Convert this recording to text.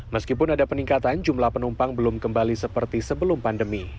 meskipun ada peningkatan jumlah penumpang belum kembali seperti sebelum pandemi